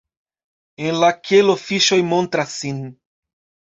En la kelo fiŝoj montras sin.